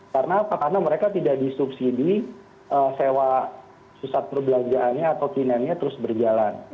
karena mereka tidak disubsidi sewa susat perbelanjaannya atau inennya terus berjalan